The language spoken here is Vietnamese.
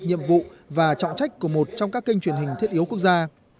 nhiệm vụ và trọng trách của một trong các kênh truyền hình thiết yếu quốc gia